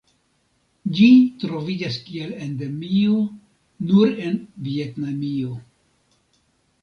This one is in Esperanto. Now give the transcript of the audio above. Ĝi troviĝas kiel endemio nur en Vjetnamio.